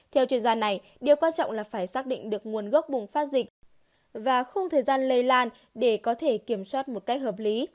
theo chuyên gia này điều quan trọng là phải xác định được nguồn gốc bùng phát dịch và không thời gian lây lan để có thể kiểm soát một cách hợp lý